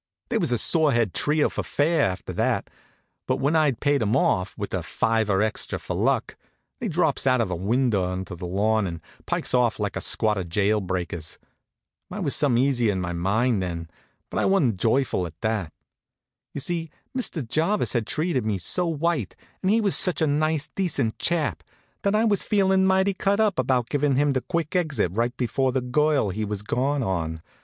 They was a sore head trio for fair, after that; but when I'd paid 'em off, with a fiver extra for luck, they drops out of a window onto the lawn and pikes off like a squad of jail breakers. I was some easier in my mind then; but I wa'n't joyful, at that. You see, Mr. Jarvis had treated me so white, and he was such a nice decent chap, that I was feelin' mighty cut up about givin' him the quick exit right before the girl he was gone on.